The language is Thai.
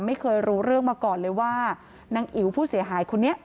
ไม่เคยรู้เรื่องมาก่อนเลยว่านางอิ๋วผู้เสียหายคนนี้